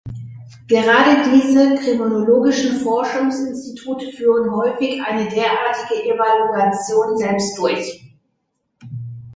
Gerade diese kriminologischen Forschungsinstitute führen häufig eine derartige Evaluation selbst durch.